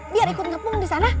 biar ikut ngepung disana